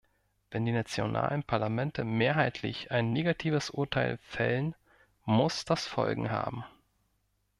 Wenn die nationalen Parlamente mehrheitlich ein negatives Urteil fällen, muss das Folgen haben.